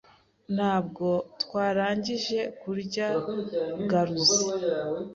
Ntabwo twarangije kurya garuzi.